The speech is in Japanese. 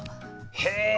へえ！